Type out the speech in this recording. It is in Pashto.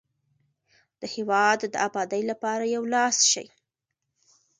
د هیواد د ابادۍ لپاره یو لاس شئ.